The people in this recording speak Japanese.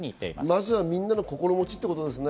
まずは、みんなの心持ちってことですね。